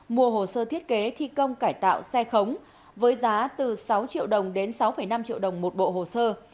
mua hồ sơ thiết kế thi công cải tạo xe khống với giá từ sáu triệu đồng đến sáu năm triệu đồng một bộ hồ sơ